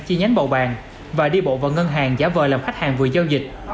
chi nhánh bầu bàng và đi bộ vào ngân hàng giả vờ làm khách hàng vừa giao dịch